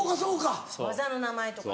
技の名前とか。